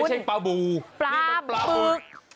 ไม่ใช่ปลาบูนี่มันปลาบึก